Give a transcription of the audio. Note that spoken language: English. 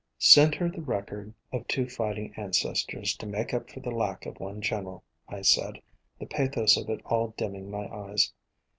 "Send her the record of two fighting ancestors, to make up for the lack of one general," I said, the pathos of it all dimming my eyes.